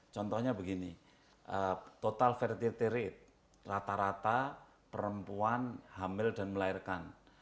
contohnya begini total fertility rate rata rata perempuan hamil dan melahirkan